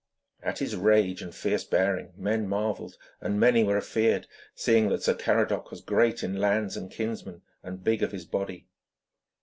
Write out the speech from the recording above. At his rage and fierce bearing men marvelled and many were afeared, seeing that Sir Caradoc was great in lands and kinsmen, and big of his body.